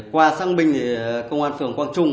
qua sáng binh thì công an phường quang trung